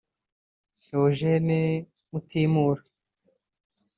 Eugene Mutimura